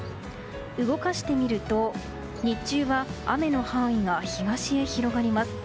動かしてみると、日中は雨の範囲が東へ広がります。